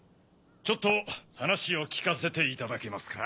ちょっと話を聞かせていただけますか？